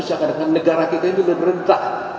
seakan akan negara kita ini sudah merentah